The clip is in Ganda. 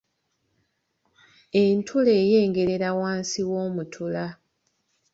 Entula eyengerera wansi w’omutula.